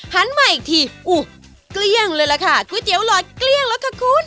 หันมาอีกทีอุ้ยเกลี้ยงเลยล่ะค่ะก๋วยเตี๋หลอดเกลี้ยงแล้วค่ะคุณ